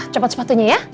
cepat sepatunya ya